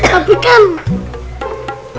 bukan aku yang adu domba